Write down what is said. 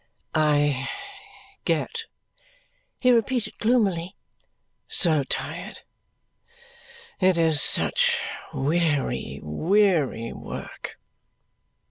"I get," he repeated gloomily, "so tired. It is such weary, weary work!"